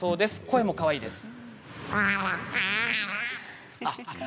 声も、かわいいです。